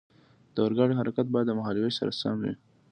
د اورګاډي حرکت باید د مهال ویش سره سم وي.